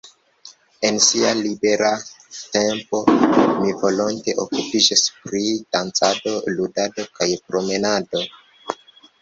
En sia libera tempo li volonte okupiĝas pri dancado, ludado kaj promenado.